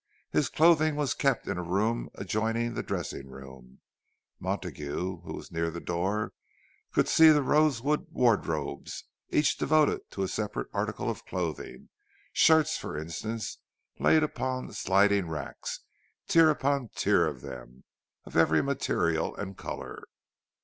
His clothing was kept in a room adjoining the dressing room; Montague, who was near the door, could see the rosewood wardrobes, each devoted to a separate article of clothing shirts, for instance, laid upon sliding racks, tier upon tier of them, of every material and colour.